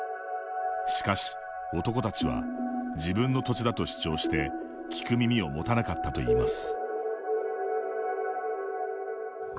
しかし、男たちは自分の土地だと主張して聞く耳を持たなかったといいます。